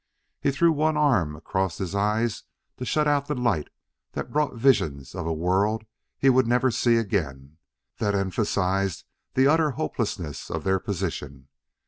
He threw one arm across his eyes to shut out the light that brought visions of a world he would never see again that emphasized the utter hopelessness of their position....